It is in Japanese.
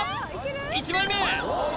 １枚目！